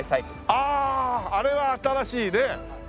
あれは新しいね。